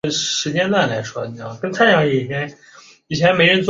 这种逻辑可以用来处理复合三段论悖论。